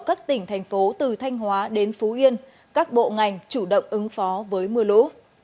các tỉnh thành phố từ thanh hóa đến phú yên các bộ ngành chủ động ứng phó với mưa lũ